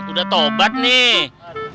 udah tobat nih